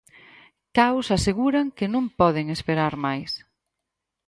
Caos Aseguran que non poden esperar máis.